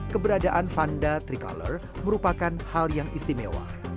keberadaan fanda tricolor merupakan hal yang istimewa